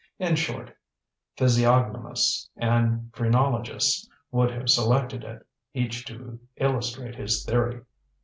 In short, physiognomists and phrenologists would have selected it, each to illustrate his theory."